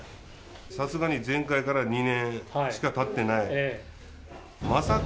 さすがに前回から２年しかたってない。